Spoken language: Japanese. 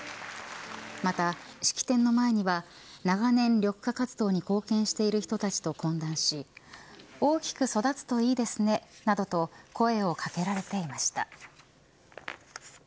また、式典の前には長年緑化活動に貢献している人たちと懇談し大きく育つといいですねなどと声をかけられていました。